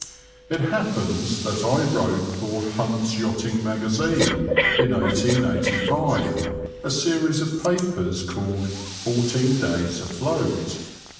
It happens that I wrote for Hunt's Yachting Magazine, in 1885, a series of papers called '* Fourteen Days Afloat."